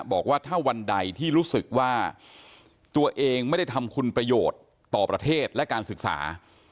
บอกว่าถ้าวันใดที่รู้สึกว่าตัวเองไม่ได้ทำคุณประโยชน์ต่อประเทศและการศึกษา